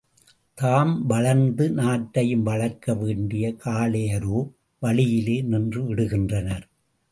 தாம் வளர்ந்து, நாட்டையும் வளர்க்க வேண்டிய காளையரோ, வழியிலே நின்று விடுகின்றனர்.